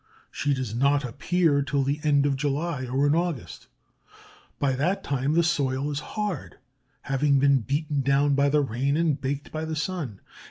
She does not appear till the end of July or in August. By that time the soil is hard, having been beaten down by the rain and baked by the sun.